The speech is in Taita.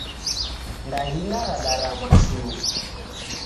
Ndaghina radarama shuu.